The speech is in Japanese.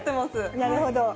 なるほど。